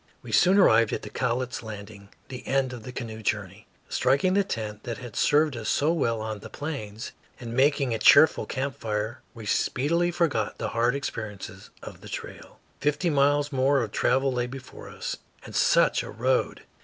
We soon arrived at the Cowlitz landing, the end of the canoe journey. Striking the tent that had served us so well on the Plains and making a cheerful camp fire, we speedily forgot the hard experiences of the trail. Fifty miles more of travel lay before us. And such a road!